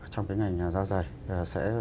trong cái ngành da dày sẽ